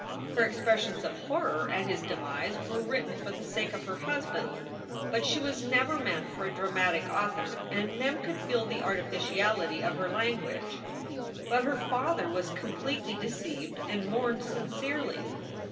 Her expres sions of horror a,t his demise were written for the sake of her husband, but she was never meant for a dramatic author and Mem could feel the artificiality of her language. But her father was completely deceived and mourned sincerely.